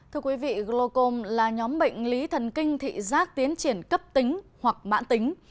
thưa quý vị glocom là nhóm bệnh lý thần kinh thị giác tiến triển cấp tính hoặc mãn tính